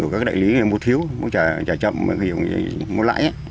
các đại lý mua thiếu trả chậm mua lãi